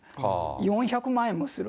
４００万円もする。